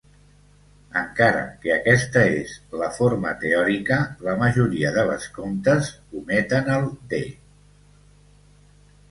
Encara que aquesta és la forma teòrica, la majoria de vescomtes ometen el "de".